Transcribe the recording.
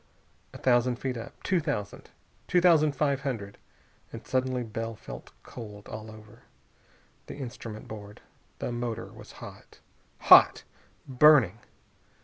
A thousand feet up. Two thousand. Two thousand five hundred.... And suddenly Bell felt cold all over. The instrument board! The motor was hot. Hot! Burning!